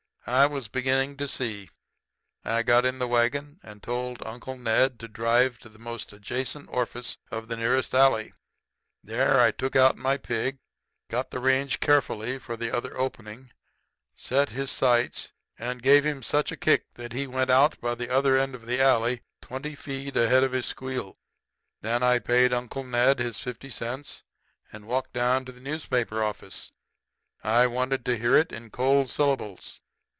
"I was beginning to see. I got in the wagon and told Uncle Ned to drive to the most adjacent orifice of the nearest alley. There I took out my pig, got the range carefully for the other opening, set his sights, and gave him such a kick that he went out the other end of the alley twenty feet ahead of his squeal. "Then I paid Uncle Ned his fifty cents, and walked down to the newspaper office. I wanted to hear it in cold syllables.